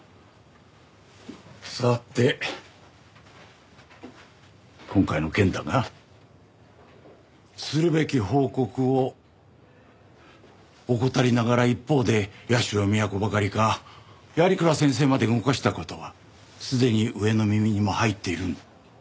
さて今回の件だがするべき報告を怠りながら一方で社美彌子ばかりか鑓鞍先生まで動かした事はすでに上の耳にも入っているんだ。